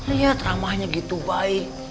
lihat ramahnya gitu baik